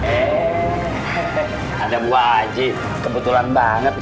eh ada buah aji kebetulan banget